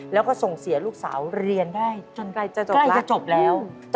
แล้วก็ส่งเสียลูกสาวเรียนได้จนใกล้จะจบใกล้จะจบแล้วใช่